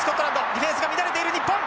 ディフェンスが乱れている日本！